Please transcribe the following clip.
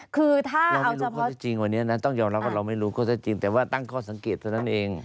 เราไม่รู้เขาจะจริงคนนี้ทั้งแต่ว่าตั้งข้อสังเกตนั้นเอง